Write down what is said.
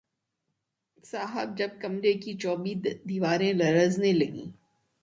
صاحب جب کمرے کی چوبی دیواریں لرزنے لگیں